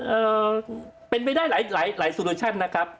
เอ่อเป็นไปได้หลายหลายโซโลชั่นนะครับ